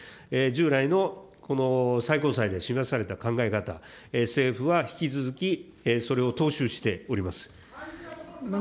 従来のこの最高裁で示された考え方、政府は引き続き、それを踏襲しております。